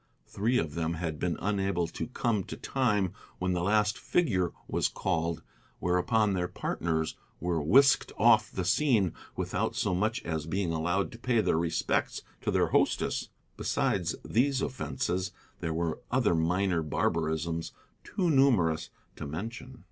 Three of them had been unable to come to time when the last figure was called, whereupon their partners were whisked off the scene without so much as being allowed to pay their respects to the hostess. Besides these offences, there were other minor barbarisms too numerous to mention.